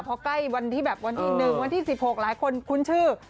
พอใกล้วันที่แบบวันที่๑วันที่๑๖หลายคนคุ้นชื่อ